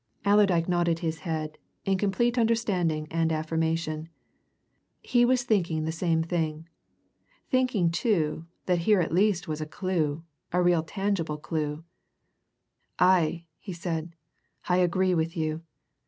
Allerdyke nodded his head in complete understanding and affirmation. He was thinking the same thing thinking, too, that here was at least a clue, a real tangible clue. "Aye!" he said. "I agree with you.